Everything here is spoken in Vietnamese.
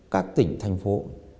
các tỉnh thành phố